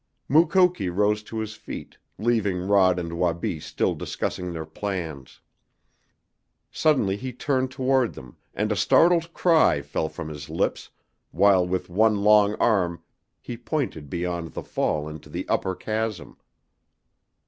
Mukoki rose to his feet, leaving Rod and Wabi still discussing their plans. Suddenly he turned toward them, and a startled cry fell from his lips, while with one long arm he pointed beyond the fall into the upper chasm.